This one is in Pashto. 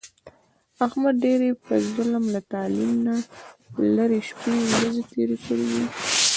احمد ډېرې په ظلم، له تعلیم نه لرې شپې او ورځې تېرې کړې دي.